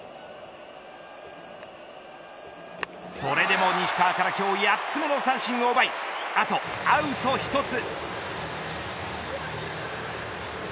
それでも石川から今日８つ目の三振を奪いあとアウト１つ。